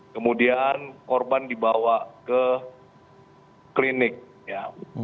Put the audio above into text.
kemudian korban dibawa ke klinik ya